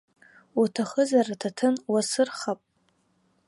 Уҭахызар, аҭаҭын уасырхап?